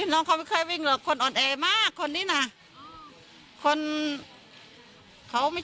น้องเขาไม่เคยวิ่งหรอกคนอ่อนแอมากคนนี้น่ะคนเขาไม่